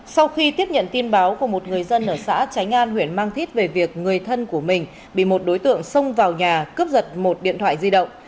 sau khi tiếp nhận tin báo của một người dân ở xã tránh an huyện mang thít về việc người thân của mình bị một đối tượng xông vào nhà cướp giật một điện thoại di động